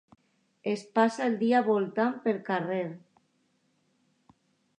Es passa el dia voltant pel carrer.